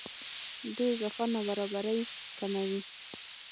دې اضافه نابرابرۍ کموي.